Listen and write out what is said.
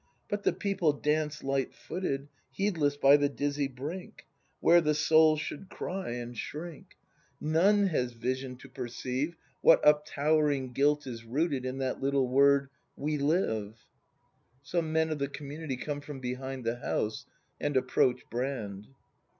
But the people dance light footed. Heedless by the dizzy brink; Where the soul should cry and shrink^ 74 BRAND [act ii None has vision to perceive What uptowerlng guilt is rooted In that little word : W e live. [Some men of the community come from behind the house and approach Brand.